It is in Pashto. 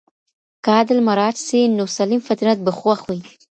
که عدل مراعت سي نو سلیم فطرت به خوښ وي.